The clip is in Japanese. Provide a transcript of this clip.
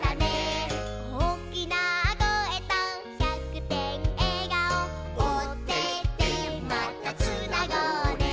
「おおきなこえと１００てんえがお」「オテテまたつなごうね」